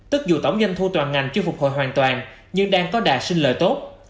tức dù tổng doanh thu toàn ngành chưa phục hồi hoàn toàn nhưng đang có đà sinh lời tốt